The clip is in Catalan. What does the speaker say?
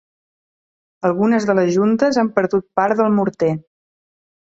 Algunes de les juntes han perdut part del morter.